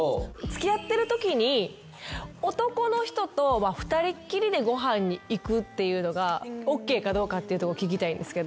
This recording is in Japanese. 付き合ってるときに男の人と二人っきりでご飯に行くっていうのがＯＫかどうかっていうとこ聞きたいんですけど。